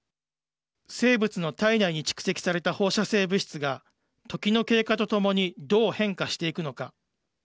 生物の体内に蓄積された放射性物質が時の経過とともにどう変化していくのか。